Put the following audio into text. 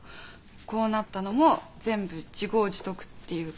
こうなったのも全部自業自得っていうか